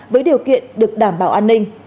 với điều kiện được đảm bảo an ninh